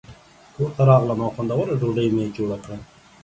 کور ته راغلم او خوندوره ډوډۍ مې جوړه کړه.